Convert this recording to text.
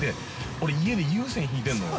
俺、家で有線ひいてんのよ。